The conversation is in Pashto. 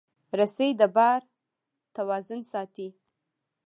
رسۍ د بار توازن ساتي.